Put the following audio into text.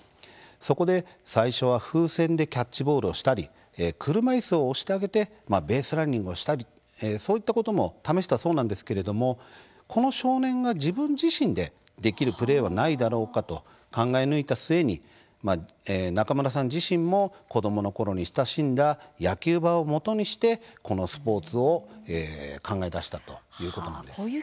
そこで最初は風船でキャッチボールをしたり車いすを押してあげてベースランニングをしたりそういうことも試したそうなんですがこの少年が自分自身でできるプレーはないだろうかと考え抜いた末に中村さん自身も子どものころに親しんだ野球盤をもとにしてこのスポーツを考え出したということです。